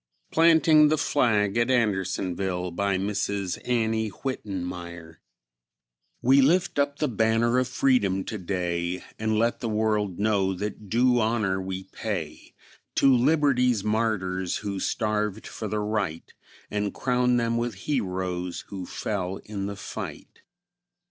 PLANTING THE FLAG AT ANDERSONVILLE. BY MRS. ANNIE WITTENMYER. We lift up the banner of freedom today, And let the world know that due honor we pay To liberty's martyrs, who starved for the right, And crown them with heroes who fell in the fight.